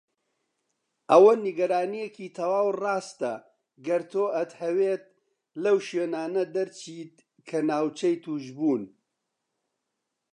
ئەوە نیگەرانیەکی تەواو ڕاستەگەر تۆ ئەتهەویت لەو شوێنانە دەرچیت کە ناوچەی توشبوون.